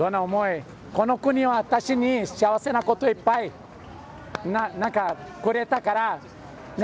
この国は私に幸せなこといっぱいくれたからね。